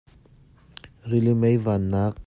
Rili mei vannak.